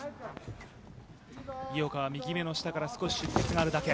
井岡は右目の下から少し出血があるだけ。